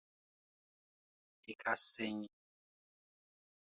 I ka cɛɲi.